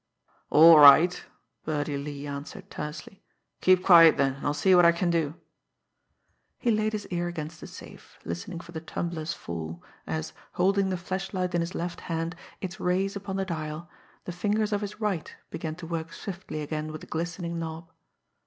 "All right!" Birdie Lee answered tersely. "Keep quiet, then, and I'll see what I can do." He laid his ear against the safe, listening for the tumblers' fall, as, holding the flashlight in his left hand, its rays upon the dial, the fingers of his right began to work swiftly again with the glistening knob.